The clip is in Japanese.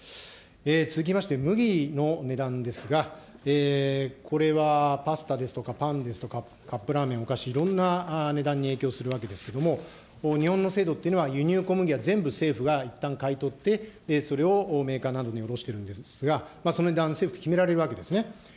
続きまして、麦の値段ですが、これはパスタですとか、パンですとかカップラーメン、お菓子、いろんな値段に影響するわけですけれども、日本の制度というのは、輸入小麦は全部政府がいったん買い取って、それをメーカーなどにおろしてるんですが、その値段決められるんですね。